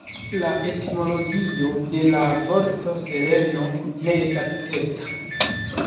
La etimologio de la vorto "Seleno" ne estas certa.